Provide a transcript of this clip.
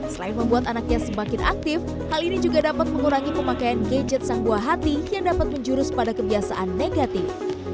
selain membuat anaknya semakin aktif hal ini juga dapat mengurangi pemakaian gadget sang buah hati yang dapat menjurus pada kebiasaan negatif